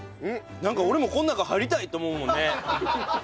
なんか俺もこの中入りたいって思うもんね。